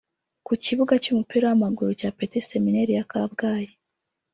ku kibuga cy’umupira w’amaguru cya Petit Seminaire ya Kabgayi